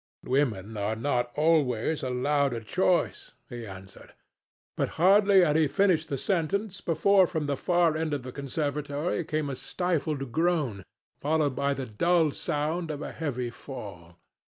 "Women are not always allowed a choice," he answered, but hardly had he finished the sentence before from the far end of the conservatory came a stifled groan, followed by the dull sound of a heavy fall.